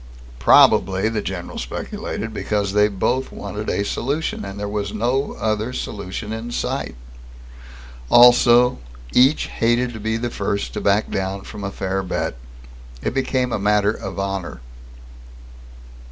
Probably, the general speculated, because they both wanted a solution and there was no other solution in sight. Also, each hated to be the first to back down from a fair bet. It became a matter of honor.